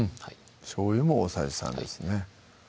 しょうゆも大さじ３ですね